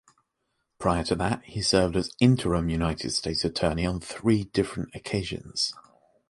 Prior to that, he served as interim United States Attorney on three different occasions.